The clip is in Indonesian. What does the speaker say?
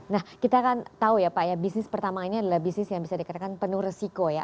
nah kita kan tahu ya pak ya bisnis pertama ini adalah bisnis yang bisa dikatakan penuh resiko ya